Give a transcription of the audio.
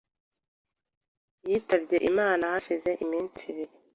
Yitabye Imana hashize iminsi ibiri.